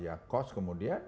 ya kos kemudian